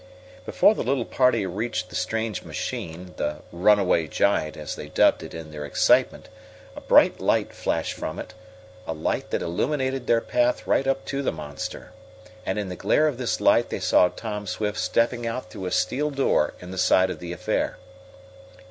Before the little party reached the strange machine the "runaway giant," as they dubbed it in their excitement a bright light flashed from it, a light that illuminated their path right up to the monster. And in the glare of this light they saw Tom Swift stepping out through a steel door in the side of the affair.